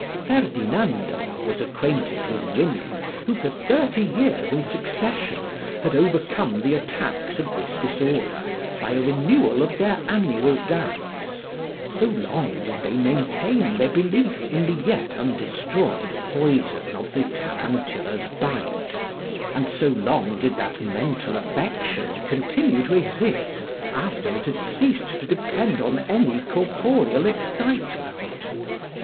Ferdinando was acquainted with women who, for thirty years in succession, had overcome the attacks of this disorder by a renewal of their annual dance so long did they maintain their belief in the yet undestroyed poison of the tarantula's bite, and so long did that mental affection continue to exist, after it had ceased to depend on any corporeal excitement.